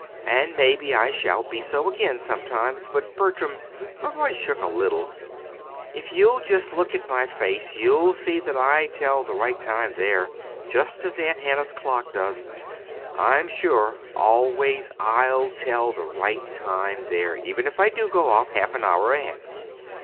And maybe I shall be so again, sometimes. But, Bertram," her voice shook a little "if you'll just look at my face you'll see that I tell the right time there, just as Aunt Hannah's clock does. I'm sure, always, I'll tell the right time there, even if I do go off half an hour ahead!"